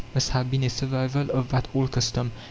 must have been a survival of that old custom.